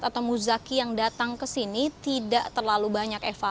atau muzaki yang datang ke sini tidak terlalu banyak eva